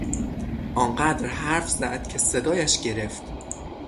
آنقدر حرف زد که صدایش گرفت.